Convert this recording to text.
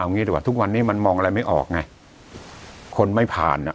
งี้ดีกว่าทุกวันนี้มันมองอะไรไม่ออกไงคนไม่ผ่านอ่ะ